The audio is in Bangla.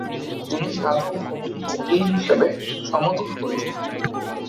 তিনি সাধক কবি ও পীর হিসেবে সমধিক পরিচিত।